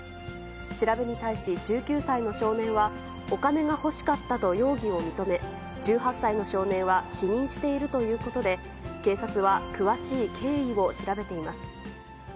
調べに対し、１９歳の少年は、お金が欲しかったと容疑を認め、１８歳の少年は否認しているということで、警察は詳しい経緯を調べています。